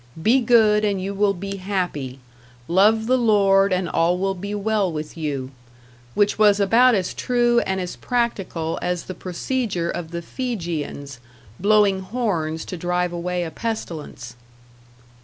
Be good and you will be happy, love the Lord and all will be well with you; which was about as true and as practical as the procedure of the Fijians, blowing horns to drive away a pestilence.